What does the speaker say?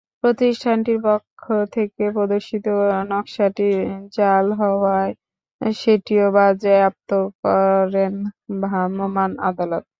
প্রতিষ্ঠানটির পক্ষ থেকে প্রদর্শিত নকশাটি জাল হওয়ায় সেটিও বাজেয়াপ্ত করেন ভ্রাম্যমাণ আদালত।